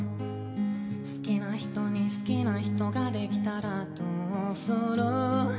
「好きな人に好きな人が出来たらどうする？」